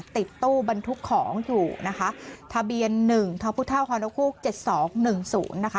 ติดตู้บรรทุกของอยู่นะคะทะเบียนหนึ่งทพนกฮูกเจ็ดสองหนึ่งศูนย์นะคะ